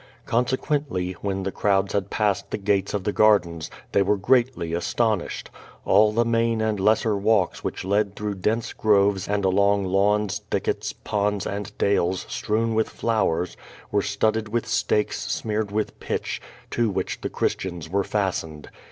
Consequently, when the crowds had passed the gates of the gardens, they were greatly astonished. All the main and lesser walks which led through dense groves and along lawns, thickets, ponds, and dales strewn with flowers, were studded with stakes smeared with pitch, to which the Christians were fastened.